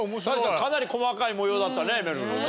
かなり細かい模様だったねめるるね。